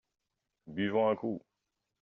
Buvons un coup.